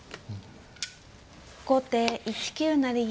後手１九成銀。